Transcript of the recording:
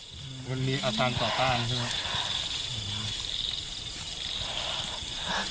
ตีสี่เก้าครับ